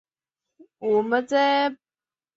田牟是唐代平州卢龙人。